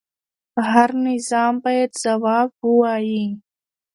هر نظام باید ځواب ووایي